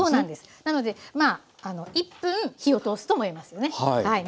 なのでまあ１分火を通すとも言えますよね。